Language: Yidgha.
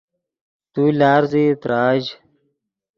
تو لارزیئی تراژ